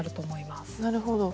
なるほど。